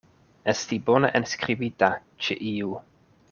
Esti bone enskribita ĉe iu.